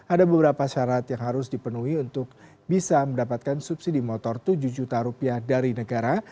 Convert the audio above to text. ada beberapa syarat yang harus dipenuhi untuk bisa mendapatkan subsidi motor tujuh juta rupiah dari negara